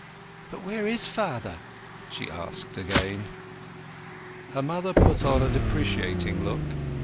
"But where is father?" she asked again. Her mother put on a deprecating look.